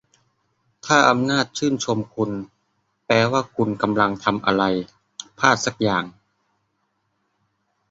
ถ้าอำนาจชื่นชมคุณ แปลว่าคุณกำลังทำอะไรพลาดสักอย่าง